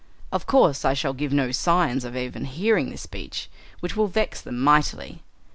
Of course I shall give no signs of even hearing this speech, which will vex them mightily.